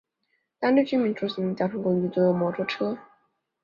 当地居民出行的交通工具多用摩托车。